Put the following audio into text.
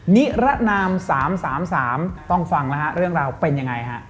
นิรนาม๓๓ต้องฟังแล้วฮะเรื่องราวเป็นยังไงฮะ